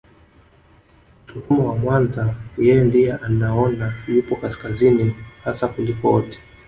Msukuma wa Mwanza yeye ndiye anaona yupo kaskazini hasa kuliko wote